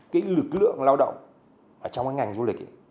cái lực lượng lao động trong ngành du lịch